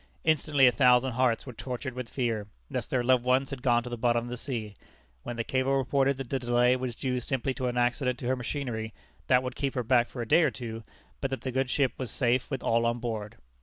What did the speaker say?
Instantly a thousand hearts were tortured with fear, lest their loved ones had gone to the bottom of the sea, when the cable reported that the delay was due simply to an accident to her machinery, that would keep her back for a day or two, but that the good ship was safe with all on board.